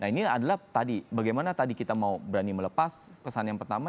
nah ini adalah tadi bagaimana tadi kita mau berani melepas pesan yang pertama